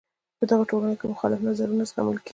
په دغو ټولنو کې مخالف نظرونه زغمل کیږي.